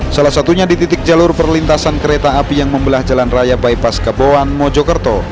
salah satunya di titik jalur perlintasan kereta api yang membelah jalan raya bypass keboan mojokerto